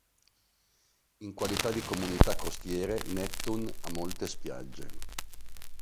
In qualità di comunità costiere, Neptune ha molte spiagge.